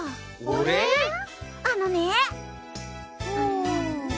あのね。